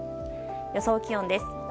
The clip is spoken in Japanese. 予想気温です。